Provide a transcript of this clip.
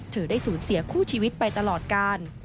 ได้สูญเสียคู่ชีวิตไปตลอดกาล